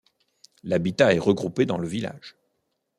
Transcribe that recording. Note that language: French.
L'habitat est regroupé dans le village.